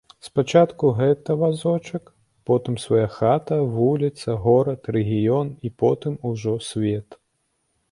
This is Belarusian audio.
Спачатку гэта вазочак, потым свая хата, вуліца, горад, рэгіён і потым ужо свет.